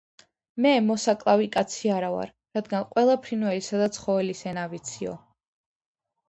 - მე მოსაკლავი კაცი არა ვარ, რადგან ყველა ფრინველისა და ცხოველის ენა ვიციო.